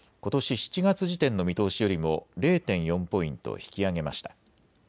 ７月時点の見通しよりも０．４ポイント引き上げました。